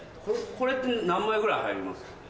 これって何枚ぐらい入ります？